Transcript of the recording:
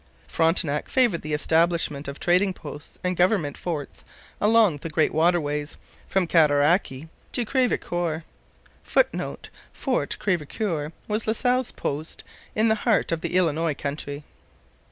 Frontenac favoured the establishment of trading posts and government forts along the great waterways, from Cataraqui to Crevecoeur. [Footnote: Fort Crevecoeur was La Salle's post in the heart of the Illinois country.